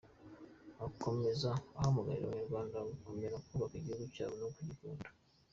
Akomeza ahamagarira Abanyarwanda gukomeza kubaka igihugu cyabo no kugikunda.